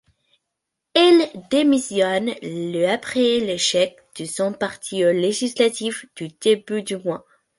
Elle démissionne le après l'échec de son parti aux législatives du début du mois.